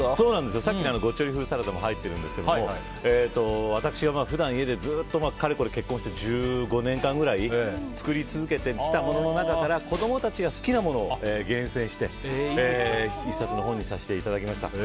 さっきのゴッチョリ風サラダも入っているんですけど私が普段、家でずっとかれこれ結婚して１５年間くらい作り続けてきたものの中から子供たちが好きなものを厳選して１冊の本にさせていただきました。